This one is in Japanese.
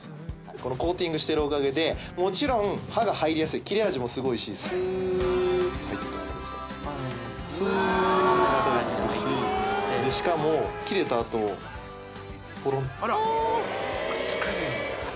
このコーティングしてるおかげでもちろん刃が入りやすい切れ味もすごいしスーッと入ってくの分かりますかスーッといくししかも切れたあとぽろんくっつかない